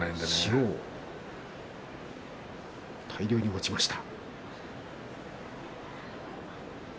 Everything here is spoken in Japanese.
塩を大量に持ちました。